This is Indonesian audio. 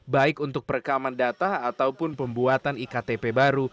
baik untuk perekaman data ataupun pembuatan iktp baru